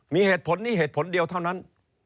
มีเหตุผลนี้เหตุผลเดียวเท่านั้น